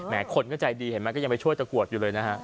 คนก็ใจดีเห็นไหมก็ยังไปช่วยตะกรวดอยู่เลยนะฮะ